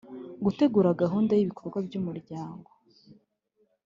Gutegura gahunda y ibikorwa by umuryango